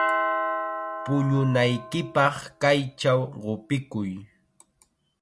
Puñunaykipaq kaychaw qupikuy.